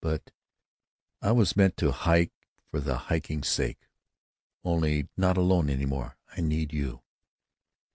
But I was meant to hike for the hiking's sake.... Only, not alone any more. I need you....